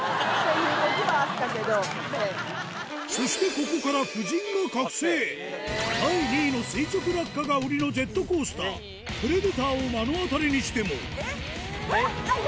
そしてここから夫人が第２位の垂直落下が売りのジェットコースタープレデターを目の当たりにしてもヤバい！